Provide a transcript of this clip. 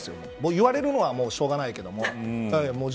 言われるのはしょうがないけれども。